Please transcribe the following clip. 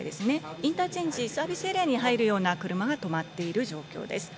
インターチェンジ、サービスエリアに入るような車が止まっている状態です。